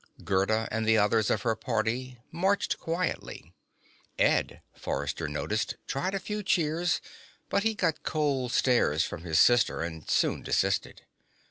Gerda and the others of her party marched quietly. Ed, Forrester noticed, tried a few cheers, but he got cold stares from his sister and soon desisted.